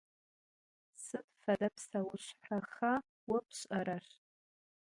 Sıd fede pseuşshexa vo pş'erer?